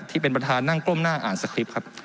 ที่เป็นประธานนั่งก้มหน้าอ่านสคริปต์ครับ